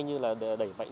như là đẩy mạnh